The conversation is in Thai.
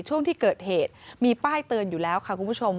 ช่วงที่เกิดเหตุมีป้ายเตือนอยู่แล้วค่ะคุณผู้ชม